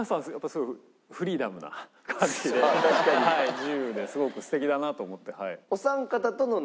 自由ですごく素敵だなと思ってはい。